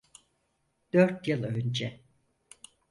Dört yıl önce.